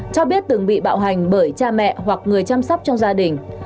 cho biết từng bị bạo hành bởi cha mẹ hoặc người chăm sóc trong gia đình